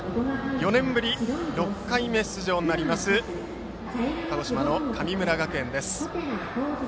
４年ぶり６回目出場になります鹿児島の神村学園です。